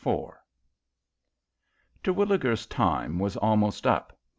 IV Terwilliger's time was almost up.